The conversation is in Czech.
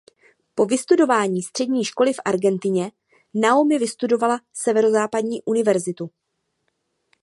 Po vystudování střední školy v Argentině Naomi vystudovala Severozápadní univerzitu.